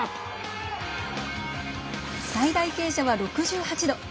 最大傾斜は６８度。